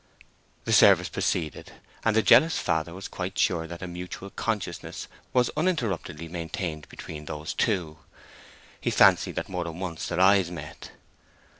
The service proceeded, and the jealous father was quite sure that a mutual consciousness was uninterruptedly maintained between those two; he fancied that more than once their eyes met.